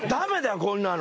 こんなの。